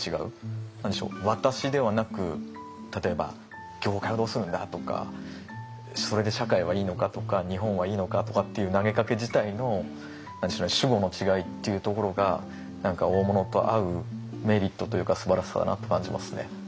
何でしょう「私」ではなく例えば「業界」をどうするんだ？とかそれで「社会」はいいのか？とか「日本」はいいのか？とかっていう投げかけ自体の主語の違いっていうところが何か大物と会うメリットというかすばらしさだなと感じますね。